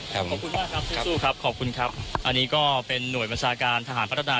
ขอบคุณมากครับสู้ครับขอบคุณครับอันนี้ก็เป็นหน่วยบัญชาการทหารพัฒนา